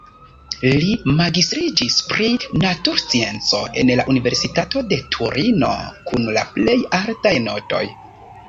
Li magistriĝis pri naturscienco en la universitato de Torino kun la plej altaj notoj.